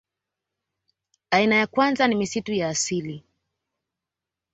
Aina ya kwanza ni misitu ya asili